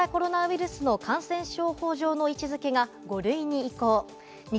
昨日から新型コロナウイルスの感染症法上の位置付けが５類に移行。